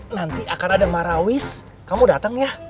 nanti akan ada marawis kamu datang ya